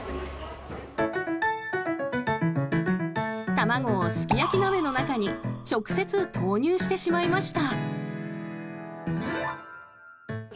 卵をすき焼き鍋の中に直接投入してしまいました。